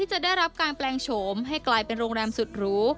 จะได้รับการแปลงโฉมให้กลายเป็นโรงแรมสุดหรู